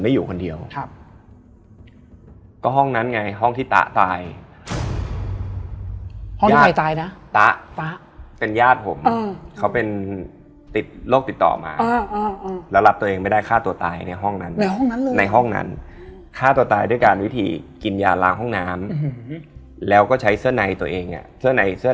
มันเป็นคาบเลือดจริงมันก็อาจจะเป็นเลือด